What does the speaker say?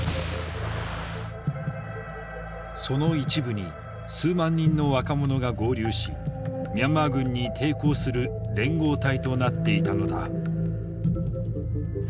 その一部に数万人の若者が合流しミャンマー軍に抵抗する連合体となっていたのだ。